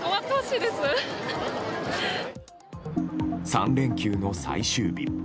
３連休の最終日。